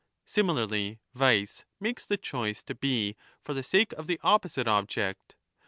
Similarly, vice makes the choice to be for the sake of < 5 the opposite object.